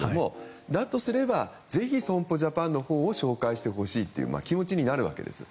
そうだとすればぜひ損保ジャパンのほうを紹介してほしいという気持ちになるわけです。